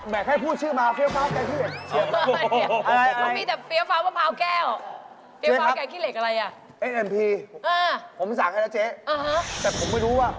แมคให้พูดชื่อมาเขี๊ยวฟ้าวแก้นที่เหล็ก